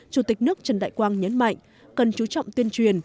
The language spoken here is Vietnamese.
chủ tịch nước trần đại quang nhấn mạnh cần chú trọng tuyên truyền